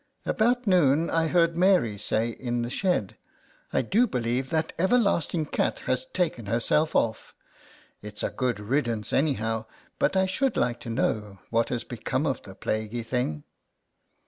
About noon I heard Mary say in the shed, " I do believe that everlasting cat has taken herself off: it's a good riddance anyhow, but I should like to know what has become of the plaguy thing